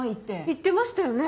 言ってましたよね